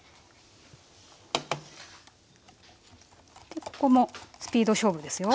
でここもスピード勝負ですよ。